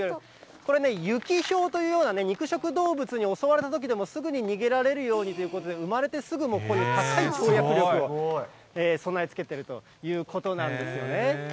これね、ユキヒョウというような肉食動物に襲われたときでもすぐに逃げられるようにということで、産まれてすぐ、こういう跳躍力を備えつけてるということなんですよね。